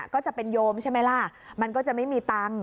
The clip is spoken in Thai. ก็จะเป็นโยมใช่ไหมล่ะมันก็จะไม่มีตังค์